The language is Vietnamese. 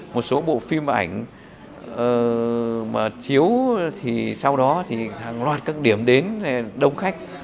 một số bộ phim ảnh chiếu sau đó hàng loạt các điểm đến đông khách